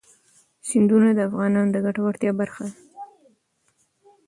سیندونه د افغانانو د ګټورتیا برخه ده.